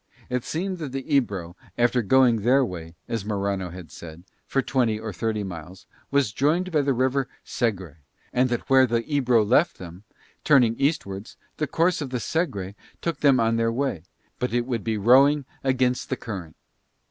It seemed that the Ebro, after going their way, as Morano had said, for twenty or thirty miles, was joined by the river Segre, and that where the Ebro left them, turning eastwards, the course of the Segre took them on their way: but it would be rowing against the current.